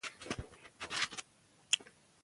د شرکتونو بریا د کارکوونکو هوساینې پورې تړلې ده.